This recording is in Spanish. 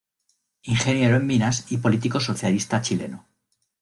Ingeniero en minas y político socialista chileno.